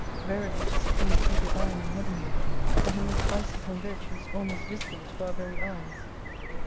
Verily it is a Thing so Divine and Heavenly, that it makes vices and virtues almost visible to our very eyes.